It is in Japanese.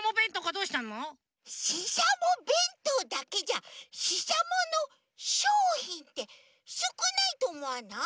ししゃもべんとうだけじゃししゃものしょうひんってすくないとおもわない？